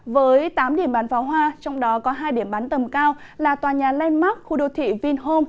với tám điểm bán pháo hoa trong đó có hai điểm bắn tầm cao là tòa nhà landmark khu đô thị vinhome